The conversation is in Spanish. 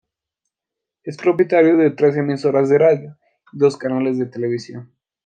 Es propietaria de tres emisoras de radio y dos canales de televisión.